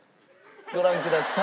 ご覧ください。